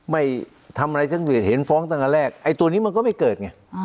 ไม่ทำอะไรสังเกตเห็นฟ้องตั้งแต่แรกไอ้ตัวนี้มันก็ไม่เกิดไง